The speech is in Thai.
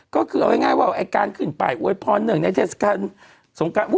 ก็คือเอาง่ายว่าไอ้การขึ้นป้ายอวยพรนึงไอ้เจสการสงการ